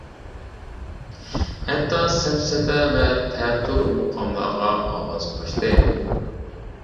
ھەتتا سەپسەتە ۋە تەتۈر مۇقاملارغا ئاۋاز قوشتى.